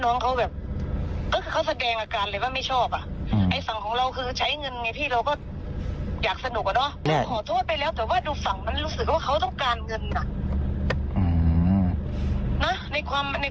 แต่บังเอิญน้องเขาก็เริ่มเม้าแล้วก็เริ่มแบบแสดงเอาเหมือนภาคมันลงเกียจเขาอะไรอย่างนี้